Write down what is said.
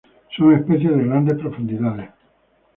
Son especies de grandes profundidades.